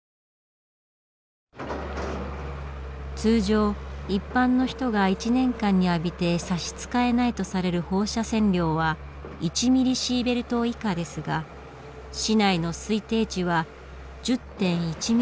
通常一般の人が１年間に浴びて差し支えないとされる放射線量は１ミリシーベルト以下ですが市内の推定値は１０．１ミリシーベルトでした。